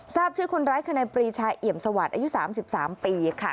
ทราบชื่อคนร้ายคณะปรีชายเหยียมสวัสดิ์อายุสามสิบสามปีค่ะ